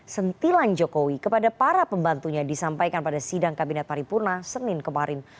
sentilan jokowi kepada para pembantunya disampaikan pada sidang kabinet paripurna senin kemarin